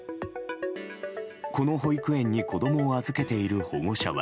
この保育園に子供を預けている保護者は。